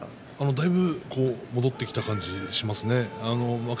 だいぶ戻ってきたと思いますね